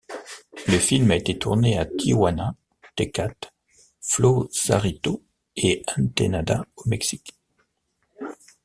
Le film a été tourné à Tijuana, Tecate, Flosarito et Entenada au Mexique.